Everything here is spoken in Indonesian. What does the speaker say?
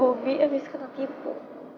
yang abis kena tipu